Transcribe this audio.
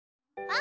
あ。